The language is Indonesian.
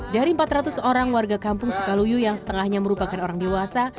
dari empat ratus orang warga kampung sukaluyu yang setengahnya merupakan orang dewasa